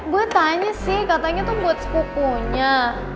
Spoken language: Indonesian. gue tanya sih katanya tuh buat sepupunya